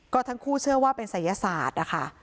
ก็ทั้งคู่เชื่อว่าเป็นศัยศาสตร์นะคะ